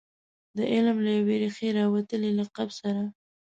د علم له یوې ریښې راوتلي لقب سره.